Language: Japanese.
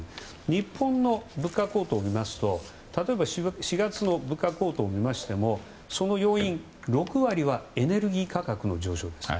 日本の物価高騰を見ますと例えば４月の物価高騰を見ましてもその要因、６割はエネルギー価格の上昇です。